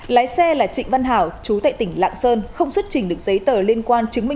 lái xe là trịnh văn hảo chú tại tỉnh lạng sơn không xuất trình được giấy tờ liên quan chứng minh